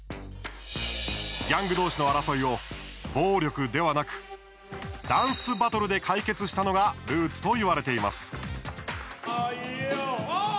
ギャング同士の争いを暴力ではなくダンスバトルで解決したのがルーツといわれています。